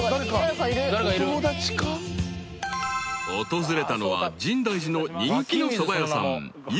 ［訪れたのは深大寺の人気のそば屋さん］